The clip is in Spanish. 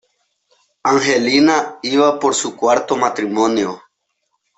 Angelina iba por su cuarto matrimonio.